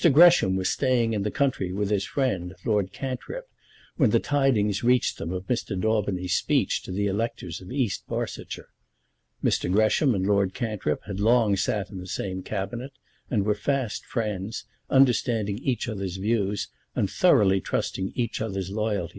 Gresham was staying in the country with his friend, Lord Cantrip, when the tidings reached them of Mr. Daubeny's speech to the electors of East Barsetshire. Mr. Gresham and Lord Cantrip had long sat in the same Cabinet, and were fast friends, understanding each other's views, and thoroughly trusting each other's loyalty.